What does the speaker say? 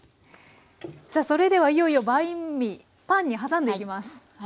さあそれではいよいよバインミーパンに挟んでいきます。